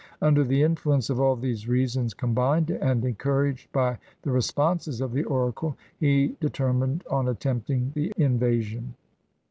Under the influence of all these reasons combined, and encouraged by the responses of the oracle, he determined on attempting the invasion.